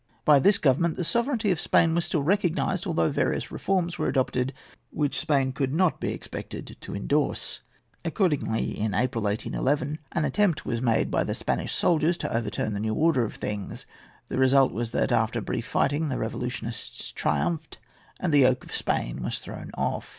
By this government the sovereignty of Spain was still recognised, although various reforms were adopted which Spain could not be expected to endorse. Accordingly, in April, 1811, an attempt was made by the Spanish soldiers to overturn the new order of things. The result was that, after brief fighting, the revolutionists triumphed, and the yoke of Spain was thrown off.